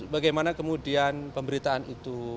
bagaimana kemudian pemberitaan itu